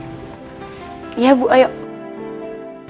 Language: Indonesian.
tapi waktu ibu kenal ayahnya